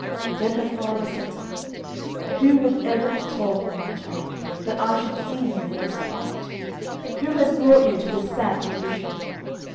Then her father said to her, "Who would ever have told me, my child, that I should see you in this plight? Who has brought you to this sad condition?"